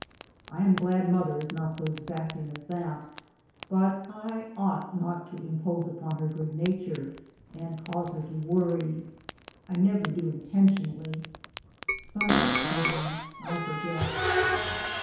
I am glad mother is not so exacting as that, but I ought not to impose upon her good nature, and cause her to worry. I never do intentionally, but sometimes I forget.